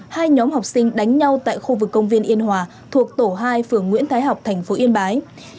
hai nhóm học sinh đánh nhau tại khu vực công viên yên hòa thuộc tổ hai phường nguyễn thái học thành phố yên bái